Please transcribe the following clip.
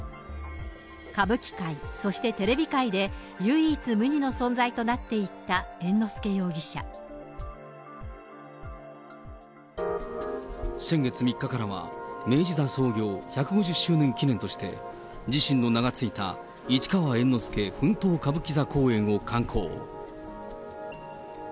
歌舞伎界、そしてテレビ界で、唯一無二の存在となっていった猿之先月３日からは、明治座創業百五十周年記念として自身の名が付いた市川猿之助奮闘歌舞伎座公演を敢行。